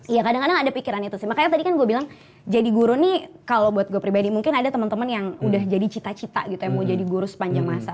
iya kadang kadang ada pikiran itu sih makanya tadi kan gue bilang jadi guru nih kalau buat gue pribadi mungkin ada teman teman yang udah jadi cita cita gitu yang mau jadi guru sepanjang masa